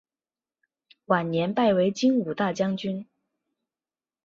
晚年拜为金吾大将军。